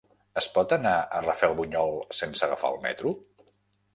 Es pot anar a Rafelbunyol sense agafar el metro?